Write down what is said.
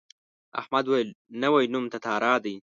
احمد وویل نوی نوم تتارا دی.